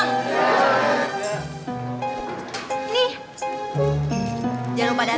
oh soalnya ada datang